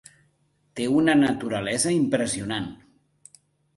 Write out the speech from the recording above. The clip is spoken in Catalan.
Té una naturalesa impressionant.